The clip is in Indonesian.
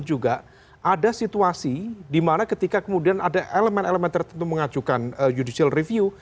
itu juga ada situasi dimana ketika kemudian ada elemen elemen tertentu mengajukan judicial review